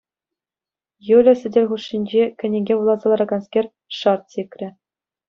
Юля, сӗтел хушшинче кӗнеке вуласа лараканскер, шарт! сикрӗ.